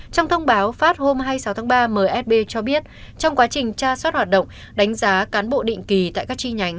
trong thông báo phát hôm hai mươi sáu tháng ba msb cho biết trong quá trình tra soát hoạt động đánh giá cán bộ định kỳ tại các chi nhánh